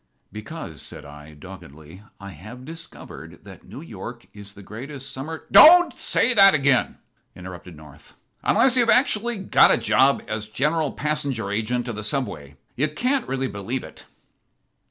"Because," said I, doggedly, "I have discovered that New York is the greatest summer " "Don't say that again," interrupted North, "unless you've actually got a job as General Passenger Agent of the Subway. You can't really believe it."